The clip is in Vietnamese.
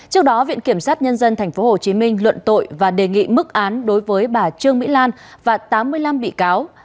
trước đó viện kiểm sát nhân dân tp hcm luận tội và đề nghị mức án đối với bà trương mỹ lan và tám mươi năm bị cáo